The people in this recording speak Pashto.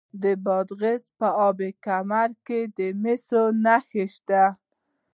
د بادغیس په اب کمري کې د مسو نښې شته.